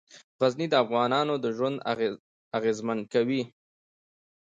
غزني د افغانانو ژوند اغېزمن کوي.